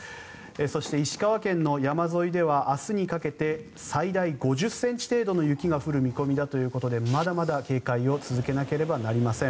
そして石川県の山沿いでは明日にかけて最大５０ｃｍ程度の雪が降る見込みだということでまだまだ警戒を続けなければなりません。